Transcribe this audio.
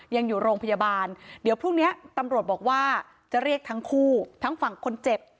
ยังอยู่โรงพยาบาลเดี๋ยวพรุ่งนี้ตำรวจบอกว่าจะเรียกทั้งคู่ทั้งฝั่งคนเจ็บ